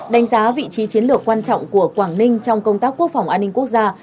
đánh giá vị trí chiến lược quan trọng của quảng ninh trong công tác quốc phòng an ninh quốc gia